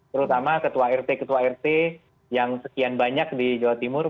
terutama ketua rt ketua rt yang sekian banyak di jawa timur